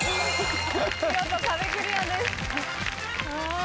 見事壁クリアです。